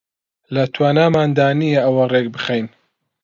لە تواناماندا نییە ئەوە ڕێک بخەین